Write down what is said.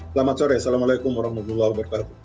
selamat sore assalamualaikum wr wb